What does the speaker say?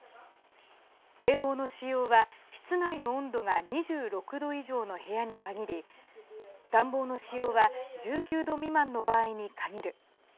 冷房の使用は、室内の温度が２６度以上の部屋に限り暖房の使用は１９度未満の場合に限る。